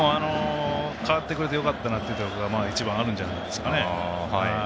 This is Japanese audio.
代わってくれてよかったなというのが一番あるんじゃないですかね。